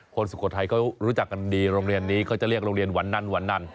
สุโขทัยเขารู้จักกันดีโรงเรียนนี้เขาจะเรียกโรงเรียนวันนั้นวันนั้น